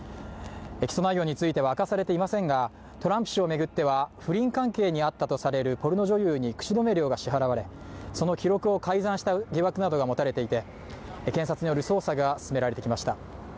起訴内容については明かされていませんが、トランプ氏を巡っては、不倫関係にあったとされるポルノ女優に口止め料が支払われ、その記録を改ざんした疑惑などが持たれていて警察による捜査が進められてきました。